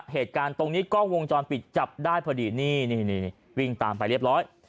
เหตุการณ์นี้กล้องวงจรปิดจับได้พอดีนี่วิ่งตามไปเรียบร้อย